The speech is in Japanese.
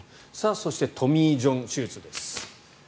そしてトミー・ジョン手術です。